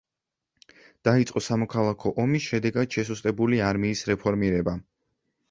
დაიწყო სამოქალაქო ომის შედეგად შესუსტებული არმიის რეფორმირება.